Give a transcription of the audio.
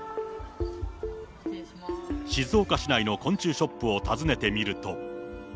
静岡市内の昆虫ショップを訪ねてみると。